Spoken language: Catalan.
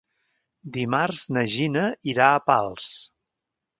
Dimarts na Gina irà a Pals.